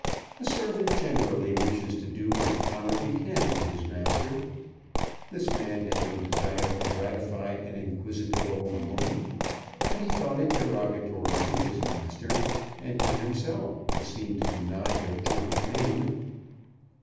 A servant generally wishes to do what honour he can to his master. This man had no desire to gratify an inquisitive old woman, but he thought it derogatory to his master and to himself to seem to deny their joint name.